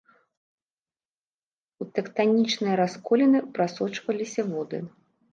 У тэктанічныя расколіны прасочваліся воды.